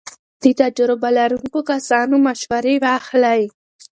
له تجربو لرونکو کسانو مشورې واخلئ.